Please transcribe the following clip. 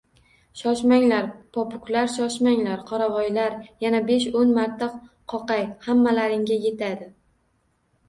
Shoshmanglar, popuklar, shoshmanglar qoravoylar, yana besh-o‘n marta qoqay, hammalaringga yetadi.